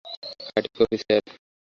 খাটি coffee sir.